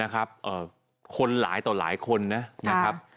คนหลายต่อหลายคนนะครับ